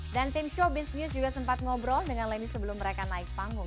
dan tim showbiz news juga sempat ngobrol dengan leni sebelum mereka naik panggung